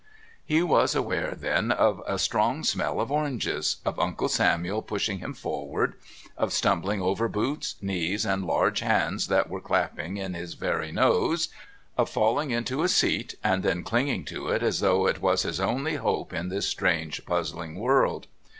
He was aware then of a strong smell of oranges, of Uncle Samuel pushing him forward, of stumbling over boots, knees, and large hands that were clapping in his very nose, of falling into a seat and then clinging to it as though it was his only hope in this strange puzzling world.